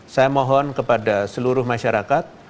saya mohon kepada seluruh masyarakat